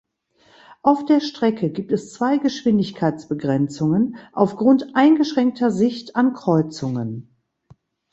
Auf der Strecke gibt es zwei Geschwindigkeitsbegrenzungen aufgrund eingeschränkter Sicht an Kreuzungen.